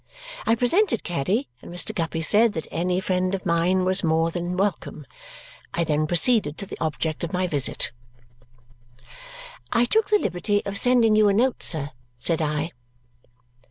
I presented Caddy, and Mr. Guppy said that any friend of mine was more than welcome. I then proceeded to the object of my visit. "I took the liberty of sending you a note, sir," said I.